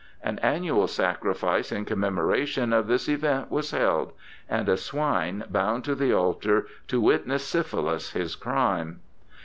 An annual sacrifice in commemora tion of this event was held, and a swine bound to the altar 'to witness Syphilus his crime'.